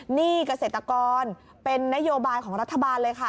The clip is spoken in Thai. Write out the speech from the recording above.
หนี้เกษตรกรเป็นนโยบายของรัฐบาลเลยค่ะ